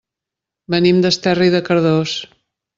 Venim d'Esterri de Cardós.